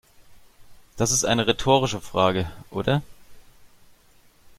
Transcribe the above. Das ist eine rhetorische Frage, oder?